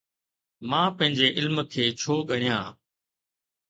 مان پنهنجي علم کي ڇو ڳڻيان؟